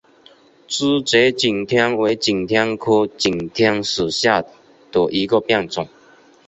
珠节景天为景天科景天属下的一个变种。